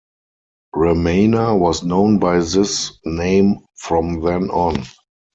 Ramana was known by this name from then on.